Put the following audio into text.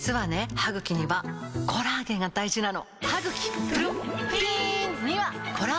歯ぐきにはコラーゲンが大事なの！